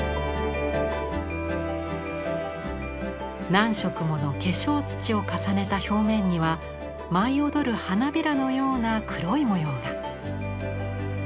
何色もの化粧土を重ねた表面には舞い踊る花びらのような黒い模様が。